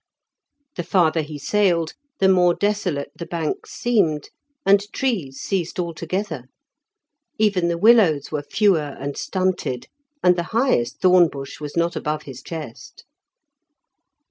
The farther he sailed the more desolate the banks seemed, and trees ceased altogether. Even the willows were fewer and stunted, and the highest thorn bush was not above his chest.